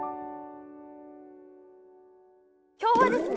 今日はですね